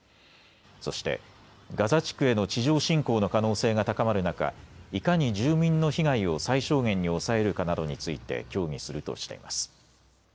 そして、ガザ地区への地上侵攻の可能性が高まる中、いかに住民の被害を最小限に抑えるかなどについて協議するとしています。